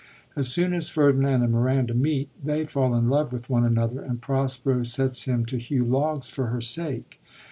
As soon as Ferdinand and Miranda meet, they fall in love with one another, and Prospero sets him to hew logs for her sake.